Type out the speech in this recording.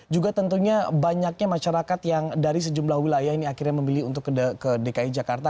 juga tentunya banyaknya masyarakat yang dari sejumlah wilayah ini akhirnya memilih untuk ke dki jakarta